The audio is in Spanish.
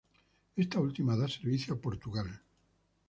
Esta última da servicio a Portugal.